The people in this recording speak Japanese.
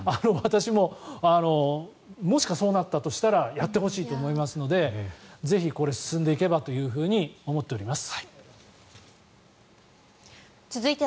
私も、もしそうなったらやってほしいと思いますのでぜひこれが進んでいけばというふうに思っております。